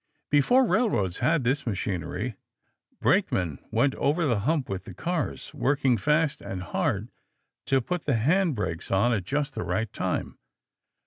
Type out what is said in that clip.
Before railroads had this machinery, brakemen went over the hump with the cars, working fast and hard to put the hand brakes on at just the right time.